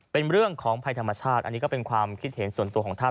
เป็นเรื่องของภัยธรรมชาติอันนี้ก็เป็นความคิดเห็นส่วนตัวของท่าน